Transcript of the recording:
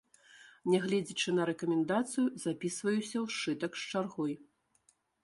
Нягледзячы на рэкамендацыю, запісваюся ў сшытак з чаргой.